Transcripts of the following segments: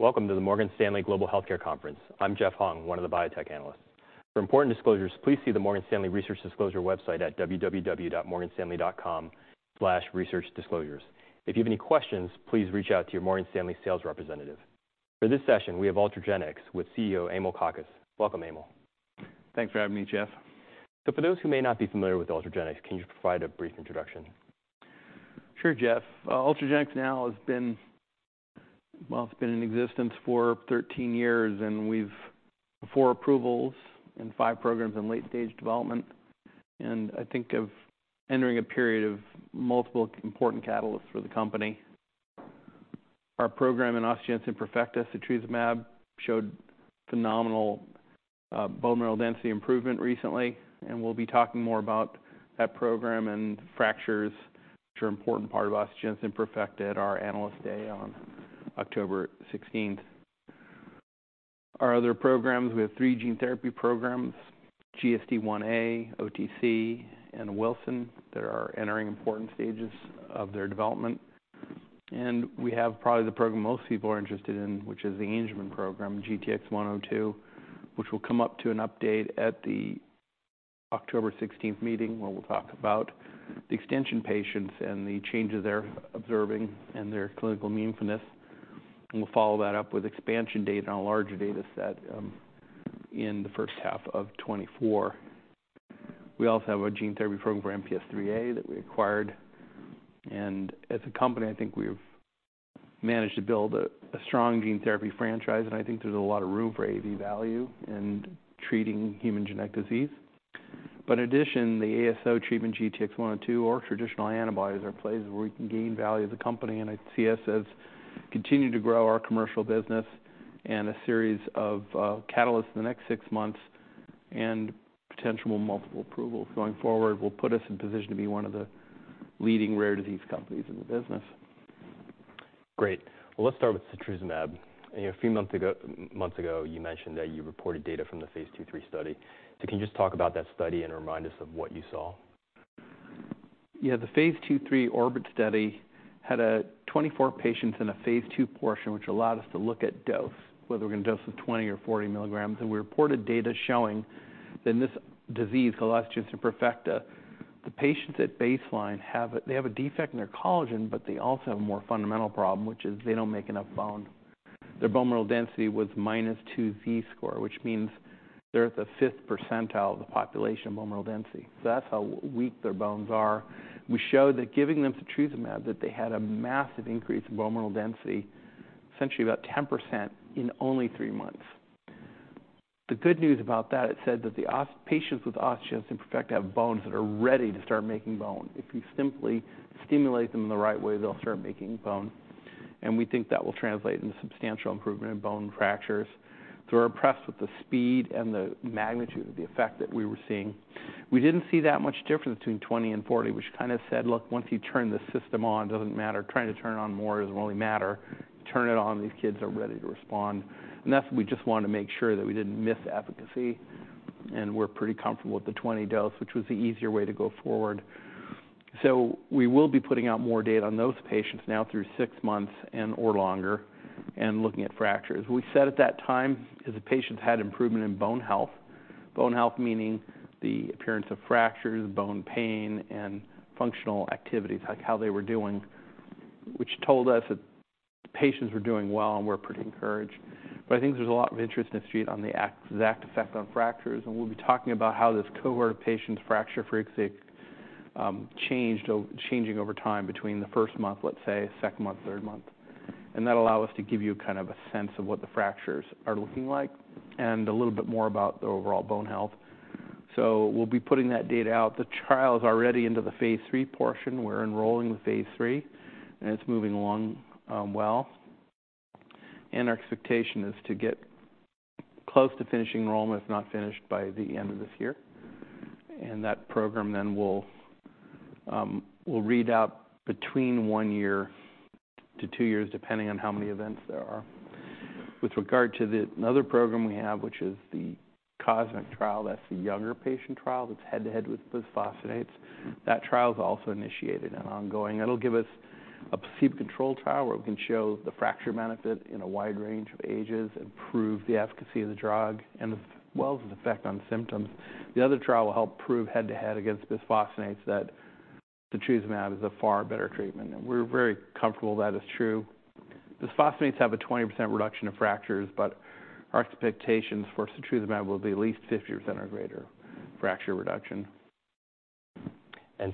Welcome to the Morgan Stanley Global Healthcare Conference. I'm Jeff Hung, one of the biotech analysts. For important disclosures, please see the Morgan Stanley Research Disclosure website at www.morganstanley.com/researchdisclosures. If you have any questions, please reach out to your Morgan Stanley sales representative. For this session, we have Ultragenyx with CEO Emil Kakkis. Welcome, Emil. Thanks for having me, Jeff. So for those who may not be familiar with Ultragenyx, can you provide a brief introduction? Sure, Jeff. Ultragenyx now has been, well, it's been in existence for 13 years, and we've 4 approvals and 5 programs in late-stage development, and I think of entering a period of multiple important catalysts for the company. Our program in osteogenesis imperfecta, setrusumab, showed phenomenal, bone mineral density improvement recently, and we'll be talking more about that program and fractures, which are an important part of osteogenesis imperfecta, at our Analyst Day on 16 October 2023. Our other programs, we have three gene therapy programs, GSDIa, OTC, and Wilson, that are entering important stages of their development. And we have probably the program most people are interested in, which is the Angelman program, GTX-102, which will come up to an update at the 16 October 2023 meeting, where we'll talk about the extension patients and the changes they're observing and their clinical meaning for this. We'll follow that up with expansion data on a larger data set in the first half of 2024. We also have a gene therapy program for MPS IIIA that we acquired, and as a company, I think we've managed to build a strong gene therapy franchise, and I think there's a lot of room for AAV value in treating human genetic disease. But in addition, the ASO treatment, GTX-102, or traditional antibodies, are places where we can gain value as a company. And I see us as continuing to grow our commercial business and a series of catalysts in the next six months, and potential multiple approvals going forward will put us in position to be one of the leading rare disease companies in the business. Great. Well, let's start with setrusumab. A few months ago, months ago, you mentioned that you reported data from phase II/III study. So can you just talk about that study and remind us of what you saw? Yeah. phase II/III orbit study had 24 patients in a phase II portion, which allowed us to look at dose, whether we're going to dose it 20 or 40 milligrams. We reported data showing that in this disease, osteogenesis imperfecta, the patients at baseline have a, they have a defect in their collagen, but they also have a more fundamental problem, which is they don't make enough bone. Their bone mineral density was -2 Z-score, which means they're at the 5th percentile of the population of bone mineral density. So that's how weak their bones are. We showed that giving them setrusumab, that they had a massive increase in bone mineral density, essentially about 10% in only three months. The good news about that, it said that the patients with osteogenesis imperfecta have bones that are ready to start making bone. If you simply stimulate them in the right way, they'll start making bone, and we think that will translate into substantial improvement in bone fractures. So we're impressed with the speed and the magnitude of the effect that we were seeing. We didn't see that much difference between 20 and 40, which kind of said, "Look, once you turn the system on, it doesn't matter. Trying to turn on more doesn't really matter. Turn it on, these kids are ready to respond." And that's... We just wanted to make sure that we didn't miss efficacy, and we're pretty comfortable with the 20 dose, which was the easier way to go forward. So we will be putting out more data on those patients now through 6 months and/or longer and looking at fractures. We said at that time, as the patients had improvement in bone health, bone health meaning the appearance of fractures, bone pain, and functional activities, like how they were doing, which told us that patients were doing well, and we're pretty encouraged. But I think there's a lot of interest in the Street on the exact effect on fractures, and we'll be talking about how this cohort of patients' fracture frequency changing over time between the first month, let's say, second month, third month. And that'll allow us to give you kind of a sense of what the fractures are looking like and a little bit more about the overall bone health. So we'll be putting that data out. The trial is already into the phase III portion. We're enrolling with phase III, and it's moving along well. Our expectation is to get close to finishing enrollment, if not finished by the end of this year. That program then will read out between 1-2 years, depending on how many events there are. With regard to another program we have, which is the COSMIC trial, that's the younger patient trial, that's head-to-head with bisphosphonates. That trial is also initiated and ongoing. That'll give us a placebo-controlled trial where we can show the fracture benefit in a wide range of ages, improve the efficacy of the drug, and as well as the effect on symptoms. The other trial will help prove head-to-head against bisphosphonates that setrusumab is a far better treatment, and we're very comfortable that is true. Bisphosphonates have a 20% reduction in fractures, but our expectations for setrusumab will be at least 50% or greater fracture reduction.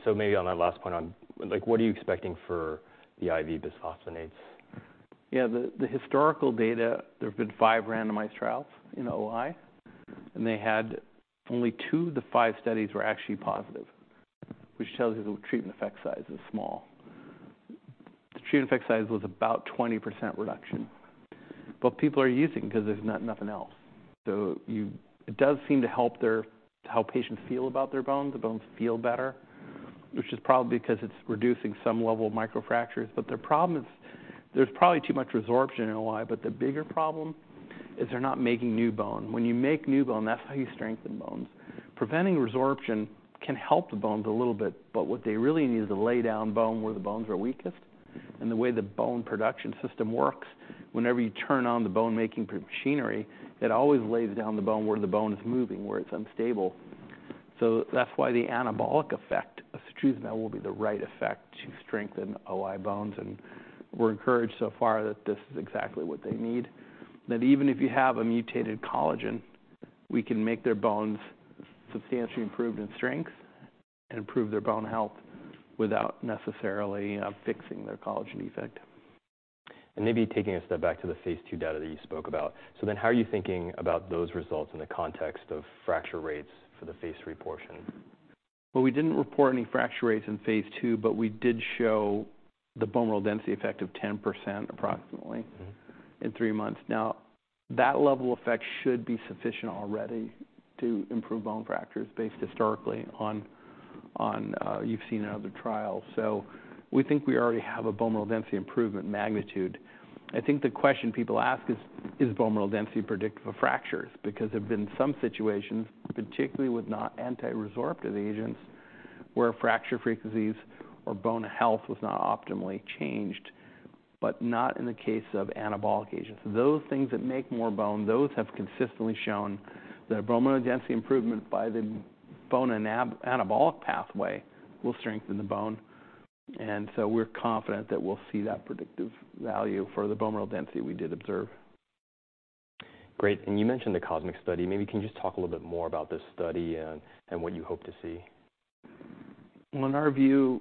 Maybe on that last point, on, like, what are you expecting for the IV bisphosphonates? Yeah, the historical data, there have been five randomized trials in OI, and they had only two of the five studies were actually positive, which tells you the treatment effect size is small. The treatment effect size was about 20% reduction. But people are using it because there's nothing else. So it does seem to help how patients feel about their bones. The bones feel better, which is probably because it's reducing some level of microfractures. But the problem is, there's probably too much resorption in OI, but the bigger problem is they're not making new bone. When you make new bone, that's how you strengthen bones. Preventing resorption can help the bones a little bit, but what they really need is to lay down bone where the bones are weakest. The way the bone production system works, whenever you turn on the bone-making machinery, it always lays down the bone where the bone is moving, where it's unstable. So that's why the anabolic effect of setrusumab will be the right effect to strengthen OI bones, and we're encouraged so far that this is exactly what they need. That even if you have a mutated collagen, we can make their bones substantially improved in strength and improve their bone health without necessarily fixing their collagen defect. Maybe taking a step back to the phase II data that you spoke about. So then how are you thinking about those results in the context of fracture rates for the phase III portion? Well, we didn't report any fracture rates in phase II, but we did show the bone mineral density effect of 10% approximately. Mm-hmm. in 3 months. Now, that level of effect should be sufficient already to improve bone fractures, based historically on, on, you've seen in other trials. So we think we already have a bone mineral density improvement magnitude. I think the question people ask is: Is bone mineral density predictive of fractures? Because there have been some situations, particularly with not anti-resorptive agents, where fracture frequencies or bone health was not optimally changed, but not in the case of anabolic agents. Those things that make more bone, those have consistently shown that bone mineral density improvement by the bone anabolic pathway will strengthen the bone. And so we're confident that we'll see that predictive value for the bone mineral density we did observe. Great. And you mentioned the COSMIC study. Maybe you can just talk a little bit more about this study and what you hope to see. Well, in our view,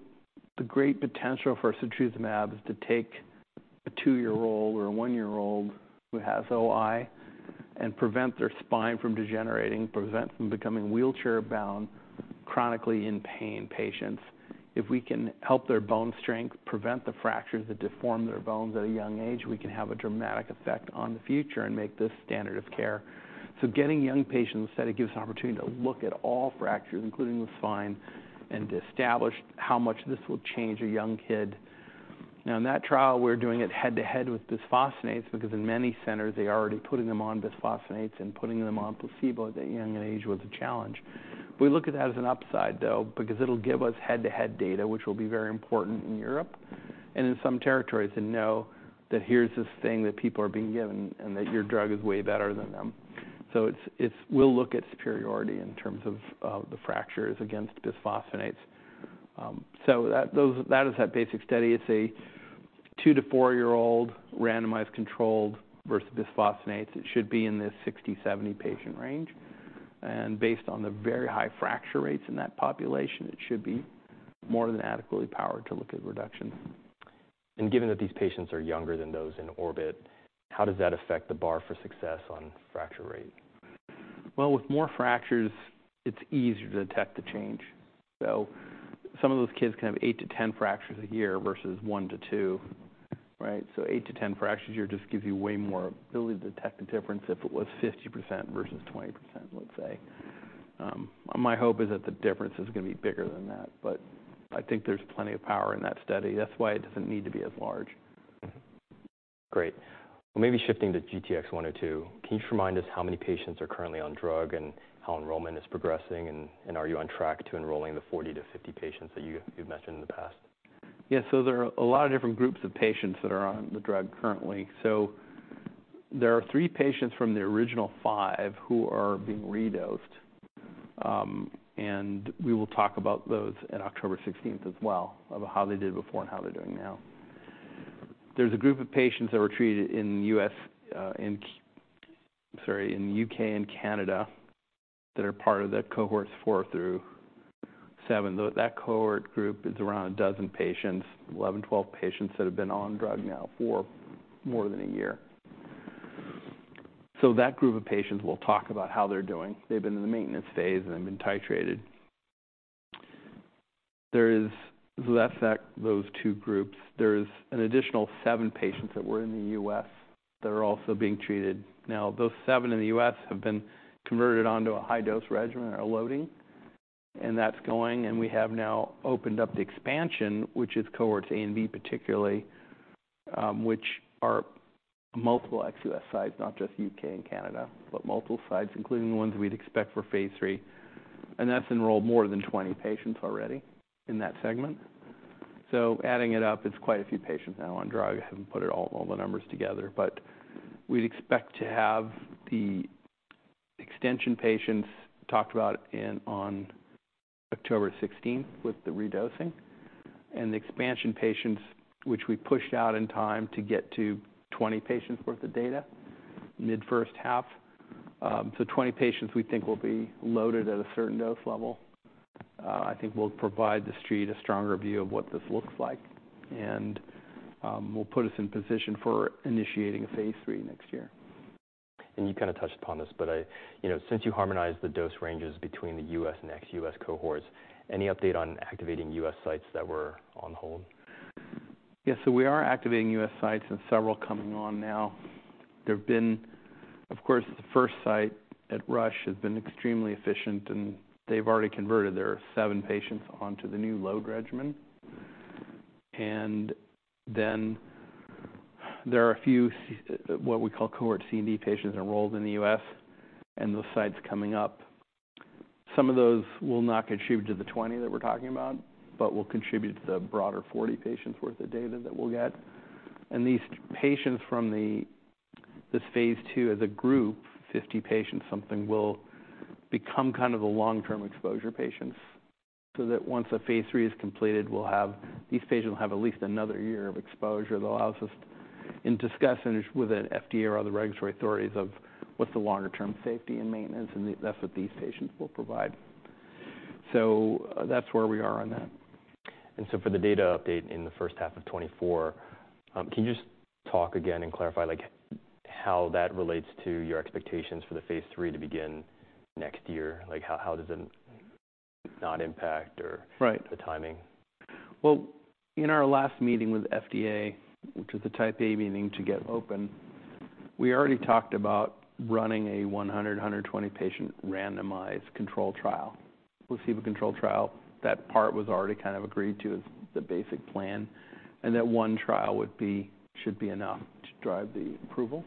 the great potential for setrusumab is to take a 2-year-old or a 1-year-old who has OI and prevent their spine from degenerating, prevent them becoming wheelchair-bound, chronically in-pain patients. If we can help their bone strength, prevent the fractures that deform their bones at a young age, we can have a dramatic effect on the future and make this standard of care. So getting young patients, that it gives us an opportunity to look at all fractures, including the spine, and to establish how much this will change a young kid. Now, in that trial, we're doing it head-to-head with bisphosphonates, because in many centers, they are already putting them on bisphosphonates, and putting them on placebo at a young age was a challenge. We look at that as an upside, though, because it'll give us head-to-head data, which will be very important in Europe and in some territories to know that here's this thing that people are being given, and that your drug is way better than them. So it's... We'll look at superiority in terms of the fractures against bisphosphonates. So that is that basic study. It's a 2- to 4-year-old randomized, controlled versus bisphosphonates. It should be in the 60-70 patient range, and based on the very high fracture rates in that population, it should be more than adequately powered to look at reduction. Given that these patients are younger than those in ORBIT, how does that affect the bar for success on fracture rate? Well, with more fractures, it's easier to detect the change. So some of those kids can have 8-10 fractures a year versus 1-2, right? So 8-10 fractures a year just gives you way more ability to detect a difference if it was 50% versus 20%, let's say. My hope is that the difference is gonna be bigger than that, but I think there's plenty of power in that study. That's why it doesn't need to be as large. Mm-hmm. Great. Well, maybe shifting to GTX-102, can you just remind us how many patients are currently on drug and how enrollment is progressing? And are you on track to enrolling the 40-50 patients that you've mentioned in the past? Yes. So there are a lot of different groups of patients that are on the drug currently. So there are 3 patients from the original 5 who are being redosed. And we will talk about those in 16 October 2023 as well, about how they did before and how they're doing now. There's a group of patients that were treated in the U.K. and Canada, that are part of the cohorts 4 through 7. Though, that cohort group is around a dozen patients, 11, 12 patients, that have been on drug now for more than a year. So that group of patients will talk about how they're doing. They've been in the maintenance phase, and they've been titrated. There is, so that's that, those two groups. There's an additional 7 patients that were in the U.S. that are also being treated. Now, those 7 in the U.S. have been converted onto a high-dose regimen or loading, and that's going, and we have now opened up the expansion, which is cohorts A and B, particularly, which are multiple ex-U.S. sites, not just U.K. and Canada, but multiple sites, including the ones we'd expect for phase III. And that's enrolled more than 20 patients already in that segment. Adding it up, it's quite a few patients now on drug. I haven't put it all the numbers together. But we'd expect to have the extension patients talked about in on 16 October 2023, with the redosing and the expansion patients, which we pushed out in time to get to 20 patients worth of data, mid first half. Twenty patients, we think, will be loaded at a certain dose level. I think we'll provide the Street a stronger view of what this looks like, and will put us in position for initiating a phase III next year. You kind of touched upon this, but... You know, since you harmonized the dose ranges between the U.S. and ex-U.S. cohorts, any update on activating U.S. sites that were on hold? Yes, so we are activating U.S. sites and several coming on now. There have been, of course, the first site at Rush has been extremely efficient, and they've already converted their 7 patients onto the new load regimen, and then there are a few, what we call cohort C and D patients enrolled in the U.S., and those sites coming up. Some of those will not contribute to the 20 that we're talking about, but will contribute to the broader 40 patients worth of data that we'll get. And these patients from the, this phase II, as a group, 50 patients, something, will become kind of the long-term exposure patients, so that once a phase III is completed, we'll have, these patients will have at least another year of exposure. That allows us in discussions with the FDA or other regulatory authorities of what's the longer-term safety and maintenance, and that's what these patients will provide. So, that's where we are on that. So for the data update in the first half of 2024, can you just talk again and clarify, like, how that relates to your expectations for the phase III to begin next year? Like, how, how does it not impact or- Right. -the timing? Well, in our last meeting with FDA, which was a type A meeting to get open, we already talked about running a 100-120 patient randomized controlled trial, placebo-controlled trial. That part was already kind of agreed to as the basic plan, and that one trial would be, should be enough to drive the approval.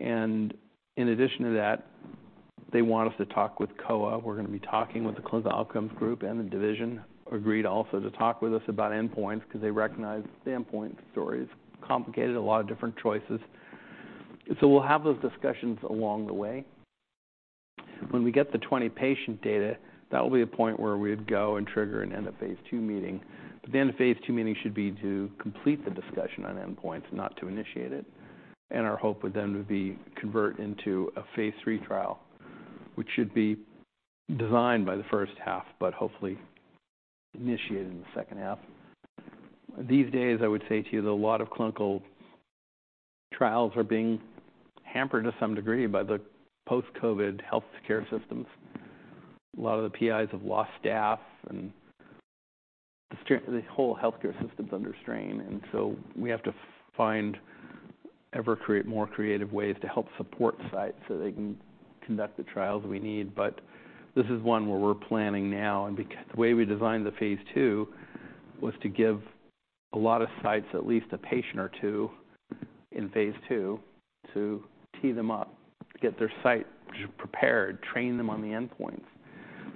And in addition to that, they want us to talk with COA. We're gonna be talking with the Clinical Outcomes Group, and the division agreed also to talk with us about endpoints 'cause they recognize the endpoint story is complicated, a lot of different choices. So we'll have those discussions along the way. When we get the 20-patient data, that will be a point where we'd go and an end-of-phase II meeting. But the end of phase II meeting should be to complete the discussion on endpoints, not to initiate it. And our hope would then be to convert into a phase III trial, which should be designed by the first half, but hopefully initiated in the second half. These days, I would say to you that a lot of clinical trials are being hampered to some degree by the post-COVID health care systems. A lot of the PIs have lost staff, and the whole healthcare system's under strain, and so we have to find ever more creative ways to help support sites so they can conduct the trials we need. But this is one where we're planning now, and the way we designed the phase II was to give a lot of sites at least a patient or two in phase II to tee them up, to get their site prepared, train them on the endpoints.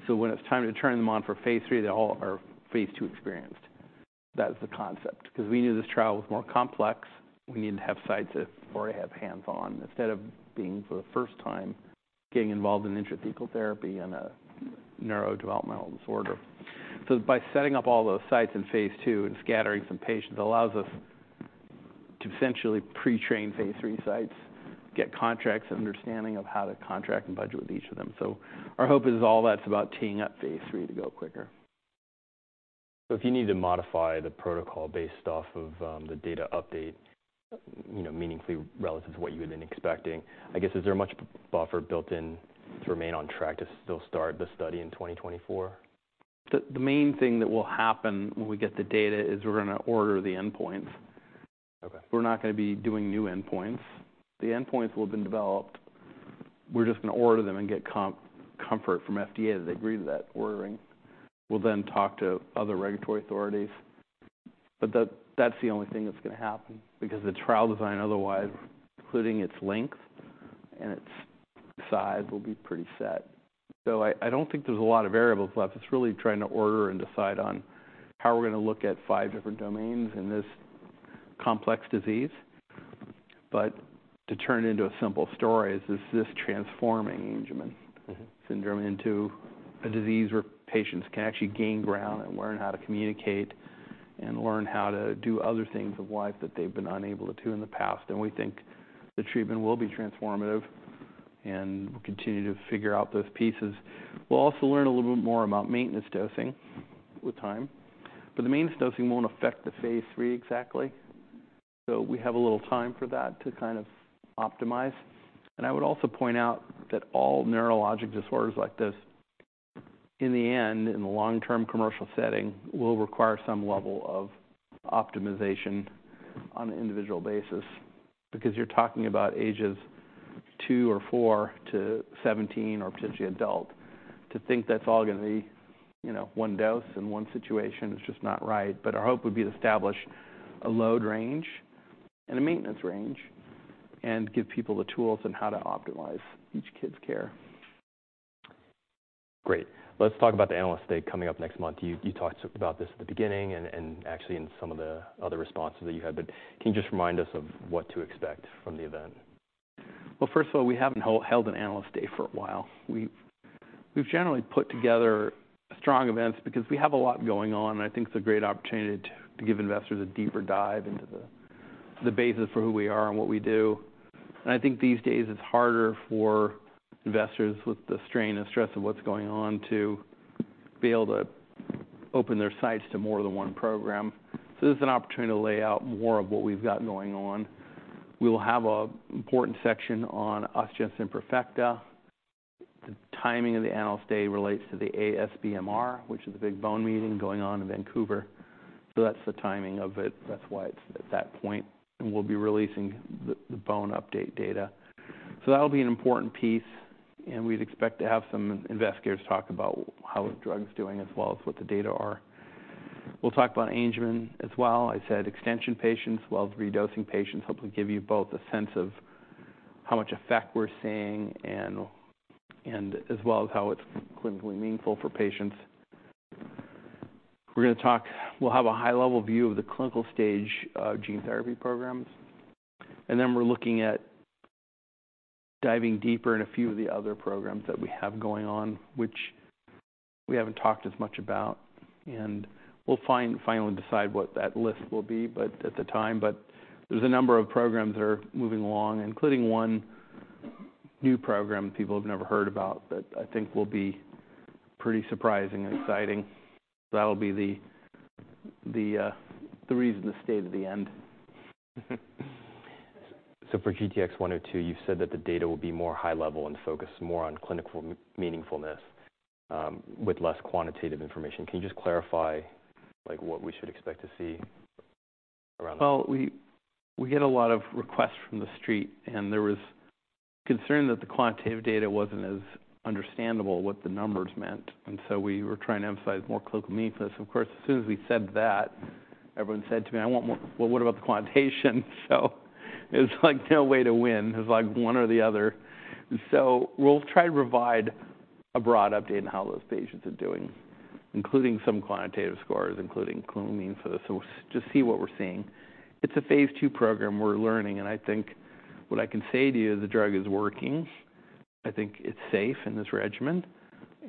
So when it's time to turn them on for phase III, they all are phase II experienced. That's the concept, 'cause we knew this trial was more complex. We needed to have sites that already have hands-on instead of being, for the first time, getting involved in intrathecal therapy and a neurodevelopmental disorder. So by setting up all those sites in phase II and scattering some patients, allows us to essentially pre-train phase III sites, get contracts, understanding of how to contract and budget with each of them. So our hope is all that's about teeing up phase III to go quicker. So if you need to modify the protocol based off of, the data update, you know, meaningfully relative to what you had been expecting, I guess, is there much buffer built in to remain on track to still start the study in 2024? The main thing that will happen when we get the data is we're gonna order the endpoints. Okay. We're not gonna be doing new endpoints. The endpoints will have been developed. We're just gonna order them and get comfort from FDA that they agree to that ordering. We'll then talk to other regulatory authorities, but that's the only thing that's gonna happen because the trial design otherwise, including its length and its size, will be pretty set. So I don't think there's a lot of variables left. It's really trying to order and decide on how we're gonna look at five different domains in this complex disease. But to turn it into a simple story is this transforming Angelman- Mm-hmm... syndrome into a disease where patients can actually gain ground and learn how to communicate and learn how to do other things in life that they've been unable to do in the past. And we think the treatment will be transformative, and we'll continue to figure out those pieces. We'll also learn a little bit more about maintenance dosing with time, but the maintenance dosing won't affect the phase III exactly, so we have a little time for that to kind of optimize. And I would also point out that all neurologic disorders like this, in the end, in the long-term commercial setting, will require some level of optimization on an individual basis. Because you're talking about ages 2 or 4 to 17 or potentially adult. To think that's all gonna be, you know, one dose and one situation is just not right. Our hope would be to establish a load range and a maintenance range and give people the tools on how to optimize each kid's care. Great. Let's talk about the Analyst Day coming up next month. You talked about this at the beginning and actually in some of the other responses that you had, but can you just remind us of what to expect from the event? Well, first of all, we haven't held an Analyst Day for a while. We've generally put together strong events because we have a lot going on, and I think it's a great opportunity to give investors a deeper dive into the basis for who we are and what we do. And I think these days it's harder for investors with the strain and stress of what's going on to be able to open their sights to more than one program. So this is an opportunity to lay out more of what we've got going on. We will have an important section on osteogenesis imperfecta. The timing of the Analyst Day relates to the ASBMR, which is a big bone meeting going on in Vancouver. So that's the timing of it. That's why it's at that point, and we'll be releasing the bone update data. So that'll be an important piece, and we'd expect to have some investigators talk about how the drug's doing, as well as what the data are. We'll talk about Angelman as well. I said extension patients, as well as redosing patients, hopefully give you both a sense of how much effect we're seeing and, and as well as how it's clinically meaningful for patients. We're gonna talk. We'll have a high-level view of the clinical stage of gene therapy programs, and then we're looking at diving deeper in a few of the other programs that we have going on, which we haven't talked as much about. And we'll find, finally decide what that list will be, but at the time. But there's a number of programs that are moving along, including one new program people have never heard about, that I think will be pretty surprising and exciting. So that'll be the reason to stay to the end. So for GTX-102, you've said that the data will be more high level and focus more on clinical meaningingfulness, with less quantitative information. Can you just clarify, like, what we should expect to see around? Well, we get a lot of requests from the Street, and there was concern that the quantitative data wasn't as understandable, what the numbers meant, and so we were trying to emphasize more clinical meaningingfulness. Of course, as soon as we said that, everyone said to me, "I want more... Well, what about the quantitation?" So it was, like, no way to win. It was, like, one or the other. So we'll try to provide a broad update on how those patients are doing, including some quantitative scores, including clinical meaningingfulness, so just see what we're seeing. It's a phase II program we're learning, and I think what I can say to you is the drug is working. I think it's safe in this regimen,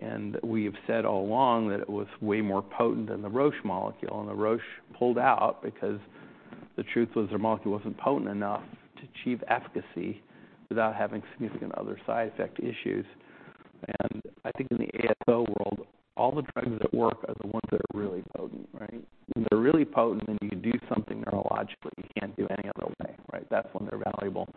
and we have said all along that it was way more potent than the Roche molecule. Roche pulled out because the truth was their molecule wasn't potent enough to achieve efficacy without having significant other side effect issues. I think in the ASO world, all the drugs that work are the ones that are really potent, right? When they're really potent, then you can do something neurologically, you can't do any other way, right? That's when they're valuable.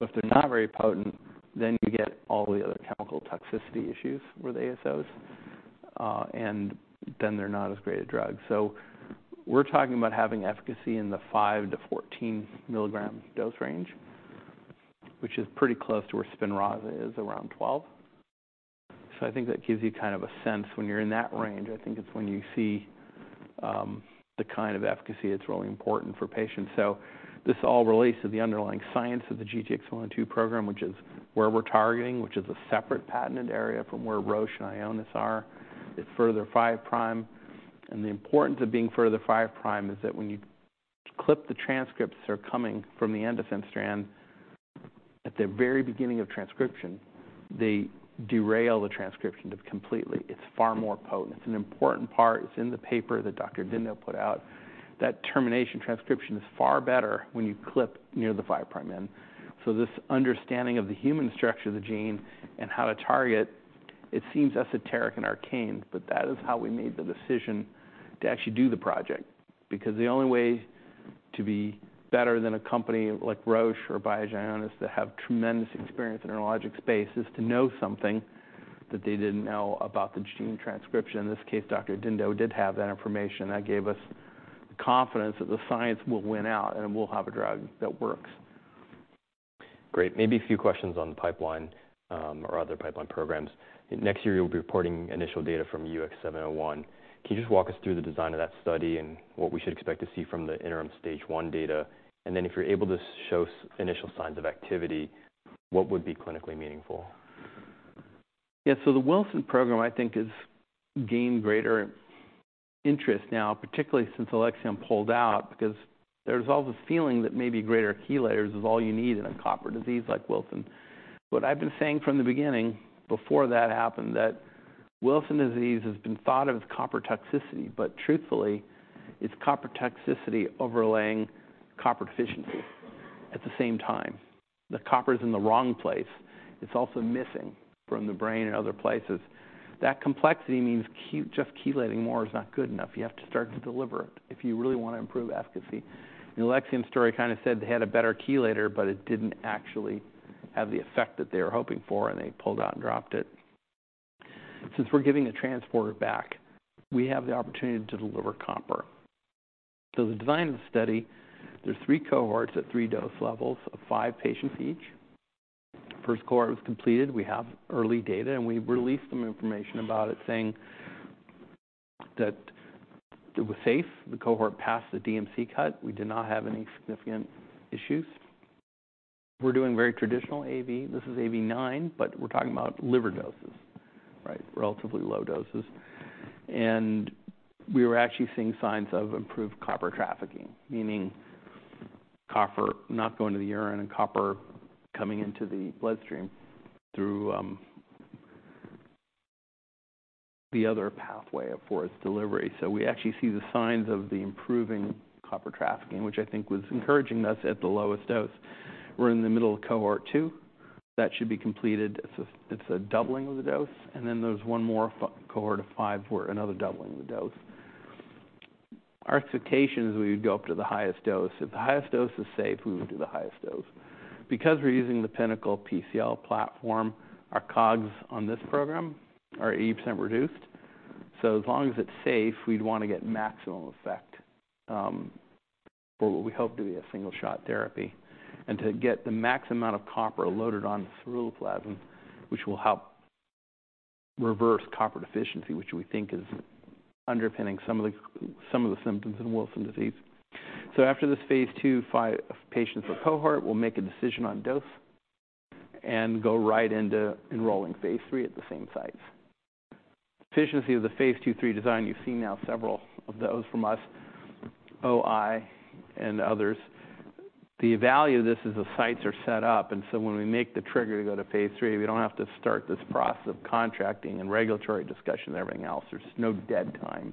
But if they're not very potent, then you get all the other chemical toxicity issues with the ASOs, and then they're not as great a drug. So we're talking about having efficacy in the 5-14 milligram dose range, which is pretty close to where Spinraza is, around 12. So I think that gives you kind of a sense. When you're in that range, I think it's when you see the kind of efficacy that's really important for patients. So this all relates to the underlying science of the GTX-102 program, which is where we're targeting, which is a separate patented area from where Roche and Ionis are. It's further five prime, and the importance of being further five prime is that when you clip the transcripts that are coming from the end of gene strand, at the very beginning of transcription, they derail the transcription just completely. It's far more potent. It's an important part. It's in the paper that Dr. Dindot put out, that termination transcription is far better when you clip near the five-prime end. So this understanding of the human structure of the gene and how to target, it seems esoteric and arcane, but that is how we made the decision to actually do the project. Because the only way to be better than a company like Roche or Biogen is to have tremendous experience in neurologic space, is to know something that they didn't know about the gene transcription. In this case, Dr. Dindot did have that information, and that gave us the confidence that the science will win out, and we'll have a drug that works. Great. Maybe a few questions on the pipeline, or other pipeline programs. Next year, you'll be reporting initial data from UX701. Can you just walk us through the design of that study and what we should expect to see from the interim Stage I data? And then if you're able to show initial signs of activity, what would be clinically meaningful? Yeah. So the Wilson program, I think, has gained greater interest now, particularly since Alexion pulled out, because there's all this feeling that maybe greater chelators is all you need in a copper disease like Wilson. What I've been saying from the beginning, before that happened, that Wilson disease has been thought of as copper toxicity, but truthfully, it's copper toxicity overlaying copper deficiency at the same time. The copper is in the wrong place. It's also missing from the brain and other places. That complexity means just chelating more is not good enough. You have to start to deliver it if you really want to improve efficacy. And Alexion's story kind of said they had a better chelator, but it didn't actually have the effect that they were hoping for, and they pulled out and dropped it. Since we're giving a transporter back, we have the opportunity to deliver copper. So the design of the study, there's three cohorts at three dose levels of 5 patients each. First cohort was completed. We have early data, and we released some information about it, saying that it was safe. The cohort passed the DMC cut. We did not have any significant issues. We're doing very traditional AAV. This is AAV9, but we're talking about liver doses, right? Relatively low doses. And we were actually seeing signs of improved copper trafficking, meaning copper not going to the urine and copper coming into the bloodstream through the other pathway for its delivery. So we actually see the signs of the improving copper trafficking, which I think was encouraging us at the lowest dose. We're in the middle of cohort 2. That should be completed. It's a doubling of the dose, and then there's one more cohort of 5, where another doubling of the dose. Our expectation is we would go up to the highest dose. If the highest dose is safe, we would do the highest dose. Because we're using the Pinnacle PCL platform, our COGS on this program are 80% reduced. So as long as it's safe, we'd want to get maximum effect for what we hope to be a single-shot therapy, and to get the max amount of copper loaded on the ceruloplasmin, which will help reverse copper deficiency, which we think is underpinning some of the symptoms in Wilson disease. So after this phase II five patients or cohort, we'll make a decision on dose and go right into enrolling phase III at the same sites. Efficiency of the phase II/III design, you've seen now several of those from us, OI, and others. The value of this is the sites are set up, and so when we make the trigger to go to phase III, we don't have to start this process of contracting and regulatory discussion and everything else. There's no dead time.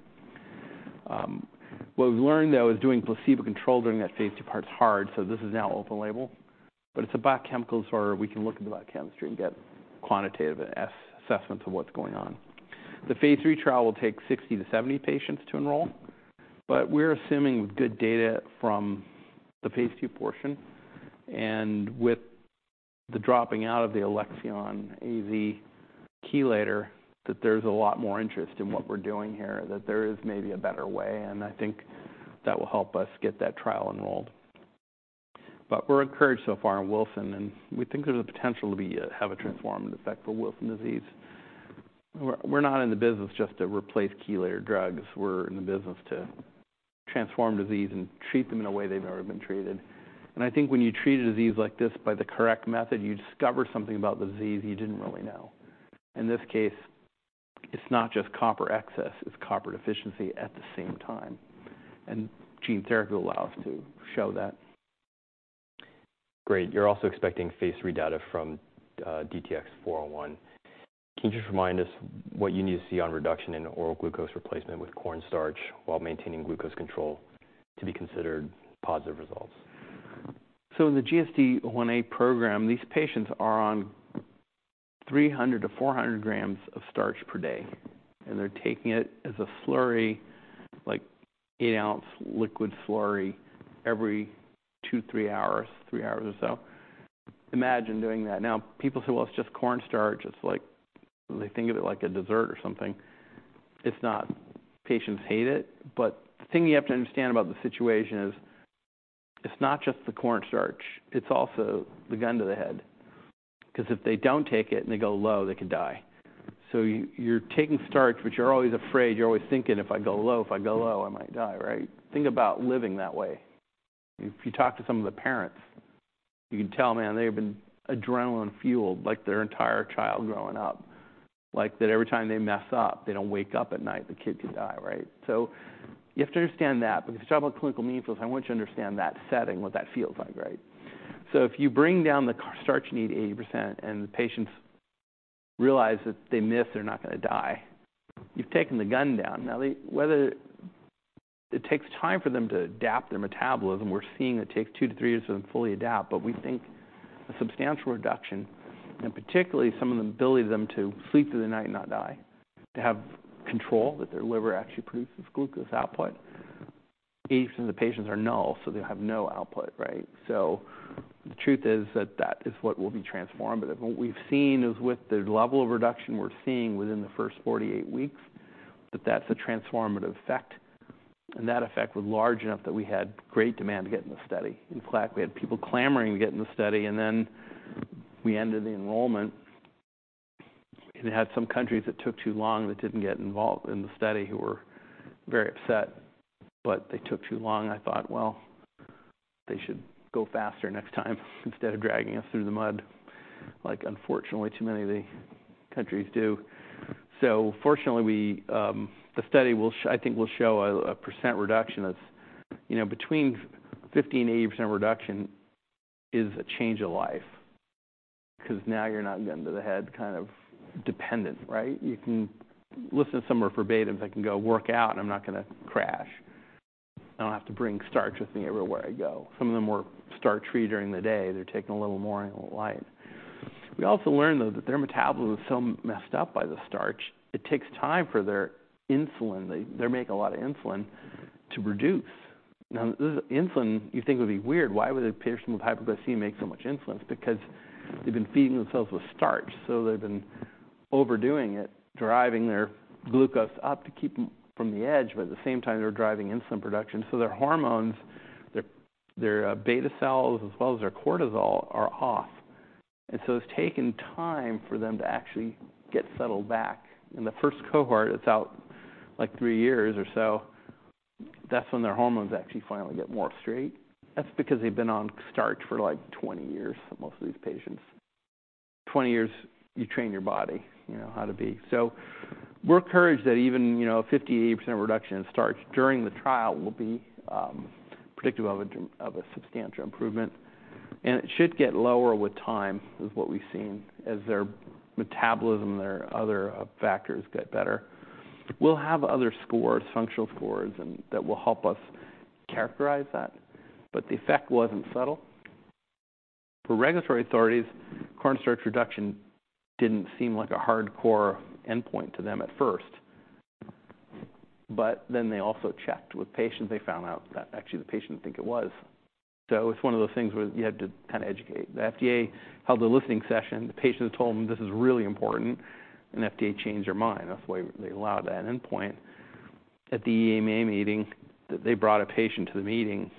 What we've learned, though, is doing placebo-controlled during that phase II part is hard, so this is now open label. But it's a biochemical, so we can look at the biochemistry and get quantitative assessments of what's going on. The phase III trial will take 60-70 patients to enroll, but we're assuming with good data from the phase II portion and with the dropping out of the Alexion AZ chelator, that there's a lot more interest in what we're doing here, that there is maybe a better way, and I think that will help us get that trial enrolled. But we're encouraged so far in Wilson, and we think there's a potential to be a, have a transformative effect for Wilson disease. We're, we're not in the business just to replace chelator drugs. We're in the business to transform disease and treat them in a way they've never been treated. And I think when you treat a disease like this by the correct method, you discover something about the disease you didn't really know. In this case, it's not just copper excess, it's copper deficiency at the same time, and gene therapy will allow us to show that. Great. You're also expecting phase III data from DTX401. Can you just remind us what you need to see on reduction in oral glucose replacement with cornstarch while maintaining glucose control to be considered positive results? So in theGSDIa program, these patients are on 300-400 grams of starch per day, and they're taking it as a slurry, like 8-ounce liquid slurry, every 2-3 hours or so. Imagine doing that. Now, people say, "Well, it's just cornstarch." It's like, they think of it like a dessert or something. It's not. Patients hate it, but the thing you have to understand about the situation is, it's not just the cornstarch, it's also the gun to the head. Because if they don't take it and they go low, they could die. So you're taking starch, but you're always afraid. You're always thinking, "If I go low, if I go low, I might die," right? Think about living that way. If you talk to some of the parents, you can tell, man, they have been adrenaline-fueled, like, their entire child growing up. Like, that every time they mess up, they do wake up at night, the kid could die, right? So you have to understand that, because if you talk about clinically meaningful, I want you to understand that setting, what that feels like, right? So if you bring down the cornstarch need 80%, and the patients realize that if they miss, they're not gonna die, you've taken the gun down. Now, whether... It takes time for them to adapt their metabolism. We're seeing it takes 2-3 years for them to fully adapt, but we think a substantial reduction, and particularly some of the ability of them to sleep through the night and not die, to have control, that their liver actually produces glucose output. Each of the patients are null, so they have no output, right? So the truth is that that is what will be transformative. What we've seen is with the level of reduction we're seeing within the first 48 weeks, that that's a transformative effect, and that effect was large enough that we had great demand to get in the study. In fact, we had people clamoring to get in the study, and then we ended the enrollment, and it had some countries that took too long, that didn't get involved in the study, who were very upset. But they took too long. I thought, "Well, they should go faster next time instead of dragging us through the mud," like, unfortunately, too many of the countries do. So fortunately, we, the study will—I think—will show a percent reduction that's, you know, 50%-80% reduction is a change of life because now you're not gun to the head kind of dependent, right? You can listen to some of our verbatims. I can go work out, and I'm not gonna crash. I don't have to bring starch with me everywhere I go. Some of them were starch free during the day. They're taking a little more in the light. We also learned, though, that their metabolism is so messed up by the starch, it takes time for their insulin—they're making a lot of insulin—to reduce. Now, this insulin, you think, would be weird. Why would a patient with hypoglycemia make so much insulin? It's because they've been feeding themselves with starch, so they've been overdoing it, driving their glucose up to keep them from the edge. But at the same time, they're driving insulin production, so their hormones, their, their, beta cells, as well as their cortisol, are off. And so it's taken time for them to actually get settled back. In the first cohort, it's out, like, three years or so. That's when their hormones actually finally get more straight. That's because they've been on starch for, like, 20 years, most of these patients. 20 years, you train your body, you know how to be. So we're encouraged that even, you know, 50%-80% reduction in starch during the trial will be predictive of a substantial improvement. It should get lower with time, is what we've seen, as their metabolism, their other factors get better. We'll have other scores, functional scores, and that will help us characterize that, but the effect wasn't subtle. For regulatory authorities, cornstarch reduction didn't seem like a hardcore endpoint to them at first. But then they also checked with patients. They found out that actually the patients think it was... So it's one of those things where you have to kinda educate. The FDA held a listening session. The patients told them, "This is really important," and FDA changed their mind. That's why they allowed that endpoint. At the EMA meeting, they brought a patient to the meeting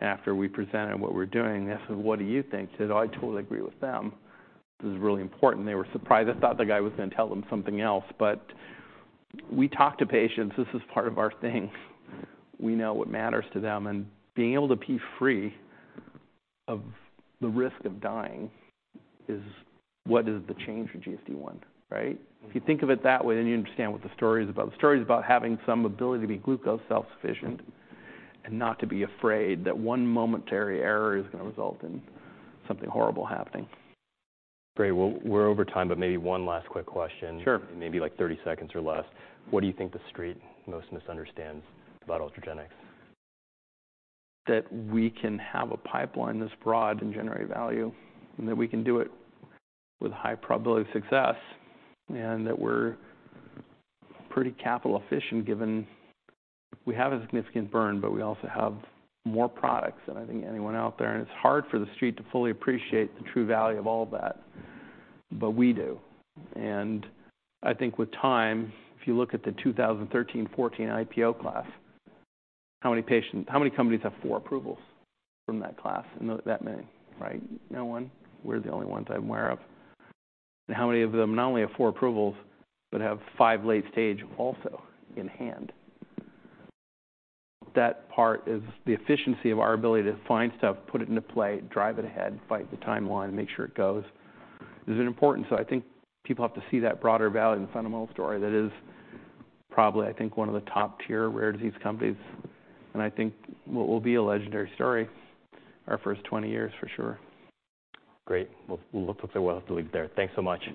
after we presented what we're doing. They said, "What do you think?" He said, "I totally agree with them. This is really important." They were surprised. They thought the guy was gonna tell them something else. But we talk to patients, this is part of our thing. We know what matters to them, and being able to be free of the risk of dying is what is the change forGSDIa, right? If you think of it that way, then you understand what the story is about. The story is about having some ability to be glucose self-sufficient and not to be afraid that one momentary error is gonna result in something horrible happening. Great. Well, we're over time, but maybe one last quick question. Sure. Maybe like 30 seconds or less. What do you think the Street most misunderstands about Ultragenyx? That we can have a pipeline this broad and generate value, and that we can do it with a high probability of success, and that we're pretty capital efficient, given we have a significant burn, but we also have more products than I think anyone out there. It's hard for the Street to fully appreciate the true value of all that, but we do. I think with time, if you look at the 2013, 2014 IPO class, how many companies have four approvals from that class? And not that many, right? No one. We're the only ones I'm aware of. And how many of them not only have four approvals, but have five late stage also in hand? That part is the efficiency of our ability to find stuff, put it into play, drive it ahead, fight the timeline, make sure it goes, is important. So I think people have to see that broader value and fundamental story that is probably, I think, one of the top tier rare disease companies, and I think what will be a legendary story our first 20 years for sure. Great. Well, looks like we'll have to leave it there. Thanks so much.